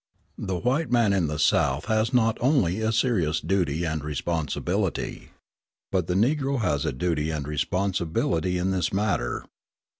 The white man in the South has not only a serious duty and responsibility, but the Negro has a duty and responsibility in this matter.